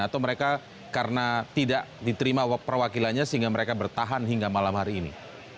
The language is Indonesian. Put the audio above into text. atau mereka karena tidak diterima perwakilannya sehingga mereka bertahan hingga malam hari ini